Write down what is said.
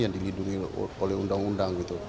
yang dilindungi oleh undang undang gitu